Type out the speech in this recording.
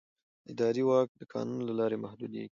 اداري واک د قانون له لارې محدودېږي.